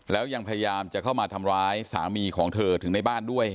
แล้วยังพยายามจะเข้ามาทำร้ายสามีของเธอถึงในบ้านด้วย